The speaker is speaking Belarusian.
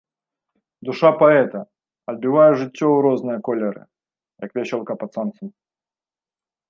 Душа паэта адбівае жыццё ў розныя колеры, як вясёлка пад сонцам.